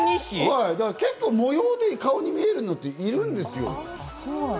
模様が顔に見えるのって結構いるんですよ。